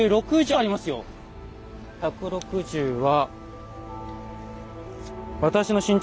１６０は。